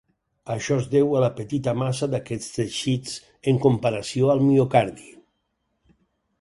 Això es deu a la petita massa d'aquests teixits en comparació al miocardi.